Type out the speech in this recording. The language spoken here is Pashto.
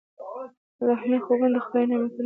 الهامي خوبونه د خدای نعمتونه دي.